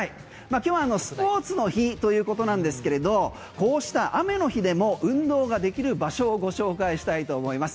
今日スポーツの日ということなんですけれどこうした雨の日でも運動ができる場所をご紹介したいと思います。